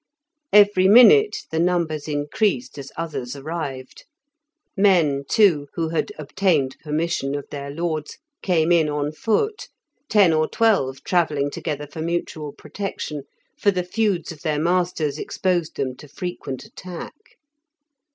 Every minute the numbers increased as others arrived; men, too (who had obtained permission of their lords), came in on foot, ten or twelve travelling together for mutual protection, for the feuds of their masters exposed them to frequent attack.